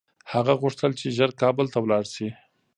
هغه غوښتل چي ژر کابل ته لاړ شي.